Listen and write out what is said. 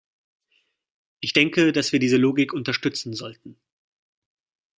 Ich denke, dass wir diese Logik unterstützen sollten.